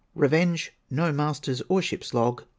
Revenge. No Master's or ship's log.